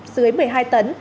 dưới một mươi hai tấn